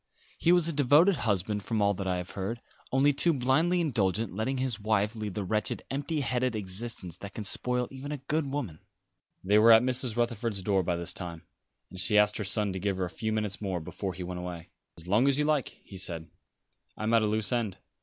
He was a devoted husband, from all that I have heard; only too blindly indulgent, letting his wife lead the wretched, empty headed existence that can spoil even a good woman." They were at Mrs. Rutherford's door by this time, and she asked her son to give her a few minutes more before he went away. "As long as you like," he said. "I am at a loose end.